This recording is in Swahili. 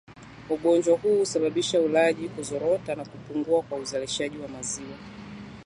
Ugonjwa huu husababisha ulaji kuzorota na kupungua kwa uzalishaji wa maziwa